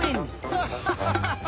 ハハハハハ